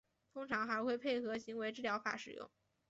通常还会配合行为治疗法使用。